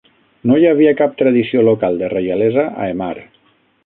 No hi havia cap tradició local de reialesa a Emar.